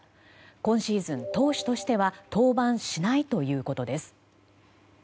今シーズン、投手としては登板しないということです。